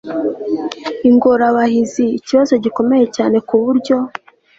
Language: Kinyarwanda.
ingorabahizi ikibazo gikomeye cyane ku buryo